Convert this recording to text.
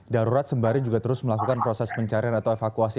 darurat sembari juga terus melakukan proses pencarian atau evakuasi